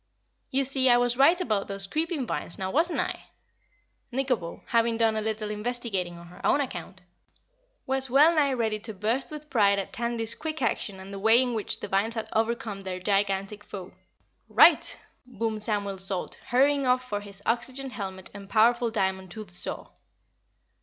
"You see, I was right about those creeping vines, now wasn't I?" Nikobo, having done a little investigating on her own account, was well nigh ready to burst with pride at Tandy's quick action and the way in which the vines had overcome their gigantic foe. "RIGHT!" boomed Samuel Salt, hurrying off for his oxygen helmet and powerful diamond toothed saw.